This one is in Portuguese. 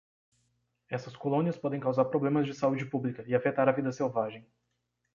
Essas colônias podem causar problemas de saúde pública e afetar a vida selvagem.